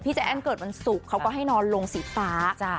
ใจแอ้นเกิดวันศุกร์เขาก็ให้นอนลงสีฟ้า